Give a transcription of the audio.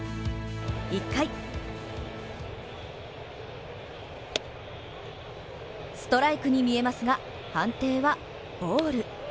１回ストライクに見えますが判定はボール。